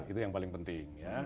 itu yang paling penting